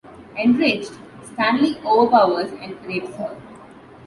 Enraged, Stanley overpowers and rapes her.